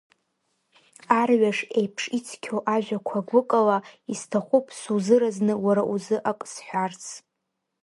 Арҩаш еиԥш ицқьоу ажәақәа гәыкала, исҭахуп сузыразны уара узы ак сҳәарц.